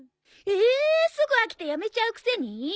えすぐ飽きてやめちゃうくせに？